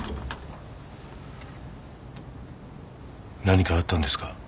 何かあったんですか？